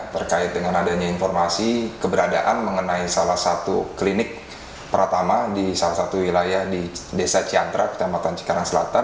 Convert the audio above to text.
terkait dengan adanya informasi keberadaan mengenai salah satu klinik pertama di salah satu wilayah di desa ciantra kecamatan cikarang selatan